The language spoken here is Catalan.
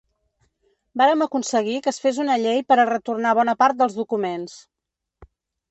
Vàrem aconseguir que es fes una llei per a retornar bona part dels documents.